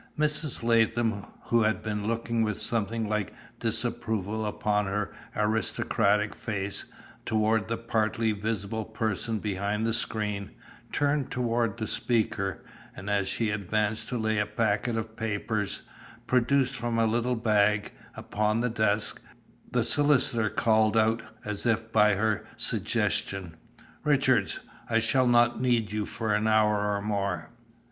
Mrs. Latham, who had been looking with something like disapproval upon her aristocratic face, toward the partly visible person behind the screen, turned toward the speaker, and, as she advanced to lay a packet of papers, produced from a little bag, upon the desk, the solicitor called out, as if by her suggestion, "Richards, I shall not need you for an hour or more."